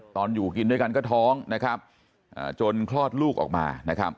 ตอนอยู่กินด้วยกันก็ท้องจนคลอดลูกออกมา